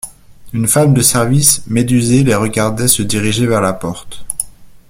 Une femme de service médusée les regardait se diriger vers la porte.